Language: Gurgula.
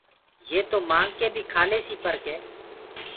يي تو مآنگ ڪي بيٚ کاليسيٚ پر ڪي